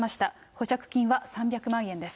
保釈金は３００万円です。